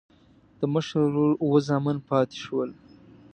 د مشر ورور اووه زامن پاتې شول.